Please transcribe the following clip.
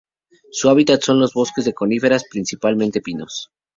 Su hábitat son los bosques de coníferas, principalmente pinos.